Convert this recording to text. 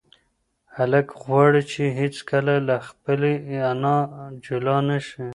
هلک غواړي چې هیڅکله له خپلې انا جلا نشي.